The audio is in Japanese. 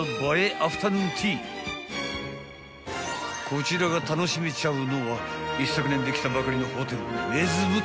［こちらが楽しめちゃうのは一昨年できたばかりのホテルメズム